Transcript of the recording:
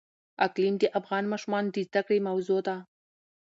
اقلیم د افغان ماشومانو د زده کړې موضوع ده.